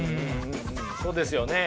そうですよね。